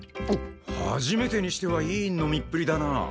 初めてにしてはいい飲みっぷりだな。